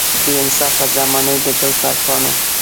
بې انصافه زمانې د ګل پر پاڼو.